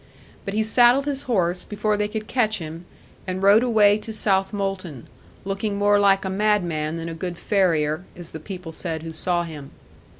But he saddled his horse, before they could catch him, and rode away to Southmolton, looking more like a madman than a good farrier, as the people said who saw him.